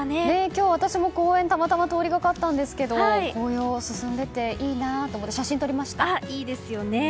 今日、私も公園をたまたま通りがかったんですが紅葉進んでていいなと思っていいですよね。